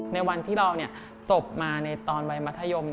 ในวันที่เราจบมาในตอนวัยมัธยม